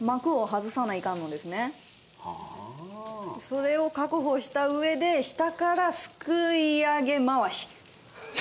それを確保した上で下からすくい上げ回し。